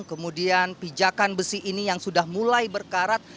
kemudian pijakan besi ini yang sudah mulai berkarat